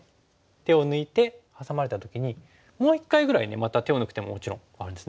手を抜いてハサまれた時にもう一回ぐらいまた手を抜く手ももちろんあるんですね。